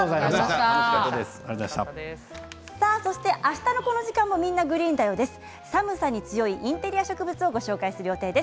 あしたのこの時間も「みんな！グリーンだよ」です。